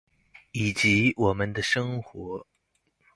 以及我們的生活